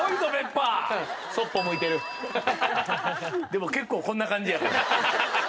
でも結構こんな感じやから。